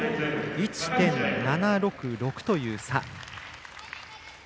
１．７６６という差。